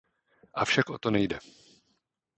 Avšak o to nejde.